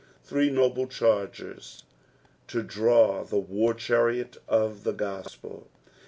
— Three uuble chaigets to draw the war chaiiot of the gospel.